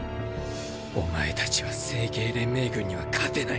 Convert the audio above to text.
おまえたちは星系連盟軍には勝てない。